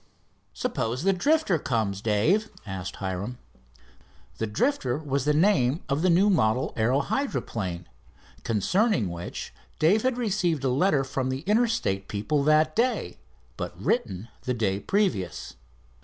"Suppose the Drifter comes Dave?" asked Hiram. The Drifter was the name of the new model aero hydroplane concerning which Dave had received a letter from the Interstate people that day, but written the day previous.